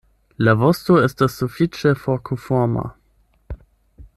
La vosto estas sufiĉe forkoforma.